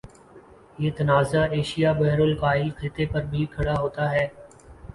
یہ تنازع ایشیا بحرالکاہل خطے پر بھی کھڑا ہوتا ہے